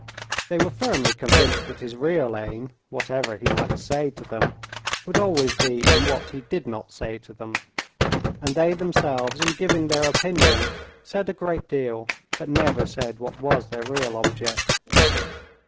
They were firmly convinced that his real aim (whatever he might say to them) would always be in what he did not say to them. And they themselves, in giving their opinion, said a great deal but never said what was their real object.